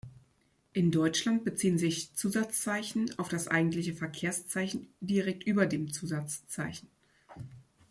In Deutschland beziehen sich Zusatzzeichen auf das eigentliche Verkehrszeichen direkt über dem Zusatzzeichen.